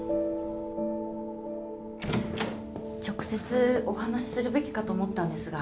直接お話しするべきかと思ったんですが。